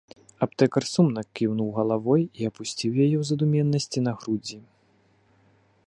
Аптэкар сумна кіўнуў галавой і апусціў яе ў задуменнасці на грудзі!